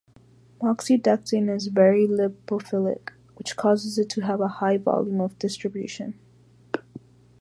Moxidectin is very lipophilic, which causes it to have a high volume of distribution.